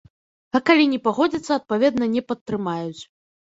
А калі не пагодзіцца, адпаведна, не падтрымаюць.